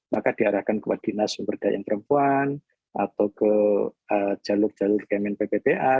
maka diarahkan ke wadina sumberdaya yang perempuan atau ke jalur jalur kemen pppa